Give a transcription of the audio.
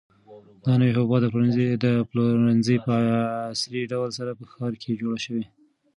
دا نوی د حبوباتو پلورنځی په عصري ډول سره په ښار کې جوړ شوی.